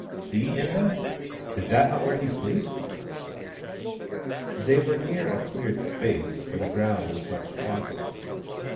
See, Inda— is not that where he sleeps ?" They were near a cleared space, where the ground was much trampled.